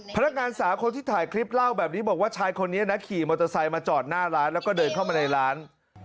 พนักงานสาวคนที่ถ่ายคลิปเล่าแบบนี้บอกว่าชายคนนี้นะขี่มอเตอร์ไซค์มาจอดหน้าร้านแล้วก็เดินเข้ามาในร้าน